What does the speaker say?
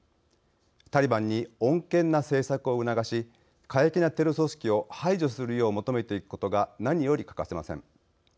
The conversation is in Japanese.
タリバンに穏健な政策を促し過激なテロ組織を排除するよう求めていくことが何より欠かせません。